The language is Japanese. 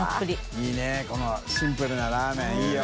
いいこのシンプルなラーメンいいよ。